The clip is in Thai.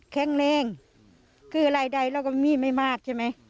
คุณผู้สายรุ่งมโสผีอายุ๔๒ปี